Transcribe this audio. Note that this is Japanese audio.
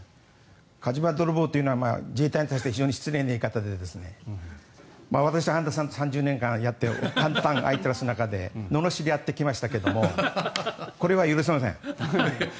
火事場泥棒というのは自衛隊に対して非常に失礼な言い方でして私は半田さんと３０年間やってやり合う中でののしり合ってきましたがこれは許せません。